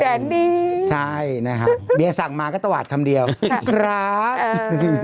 แบบนี้ใช่นะครับเบียสั่งมาก็ตะวัดคำเดียวครับเออ